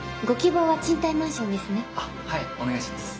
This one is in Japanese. あっはいお願いします。